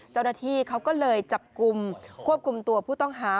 เจ้าหน้าที่เขาก็เลยจับกลุ่มควบคุมตัวผู้ต้องหา